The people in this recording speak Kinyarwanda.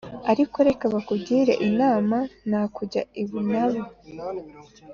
ariko reka bakugire inama nta kujya i bunanu